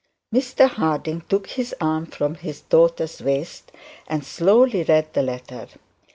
Mr Harding took his arm from his daughter's waist, and slowly read the letter.